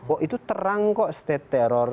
oh itu terang kok state teror